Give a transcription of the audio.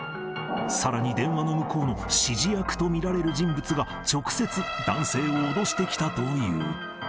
さらに電話の向こうの指示役と見られる人物が直接、男性を脅してきたという。